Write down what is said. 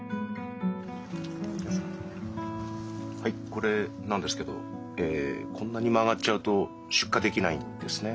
はいこれなんですけどこんなに曲がっちゃうと出荷できないんですね。